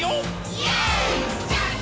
イエーイ！！